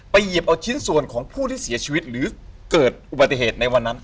หยิบเอาชิ้นส่วนของผู้ที่เสียชีวิตหรือเกิดอุบัติเหตุในวันนั้น